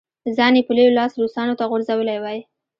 ځان یې په لوی لاس روسانو ته غورځولی وای.